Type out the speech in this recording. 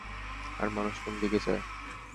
আর মানুষ কোনদিকে যায়?